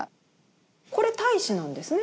これ太子なんですね？